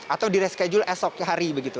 atau di reschedule esok hari begitu